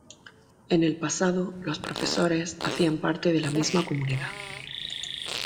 En el pasado, los profesores hacían parte de la misma comunidad.